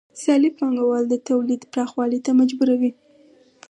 سیالي پانګوال د تولید پراخوالي ته مجبوروي